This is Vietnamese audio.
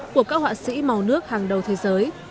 của các họa sĩ màu nước hàng đầu thế giới